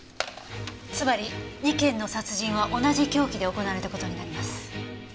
つまり２件の殺人は同じ凶器で行われた事になります。